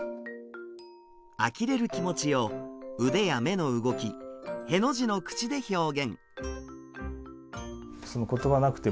あきれる気持ちを腕や目の動きへの字の口で表現。